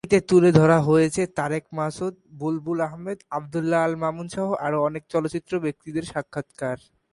এটিতে তুলে ধারা হয়েছে তারেক মাসুদ, বুলবুল আহমেদ, আব্দুল্লাহ আল মামুন-সহ আরও অনেক চলচ্চিত্র ব্যক্তিত্বদের সাক্ষাৎকার।